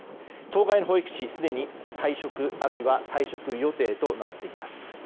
当該の保育士すでに退職あるいは退職予定となっています。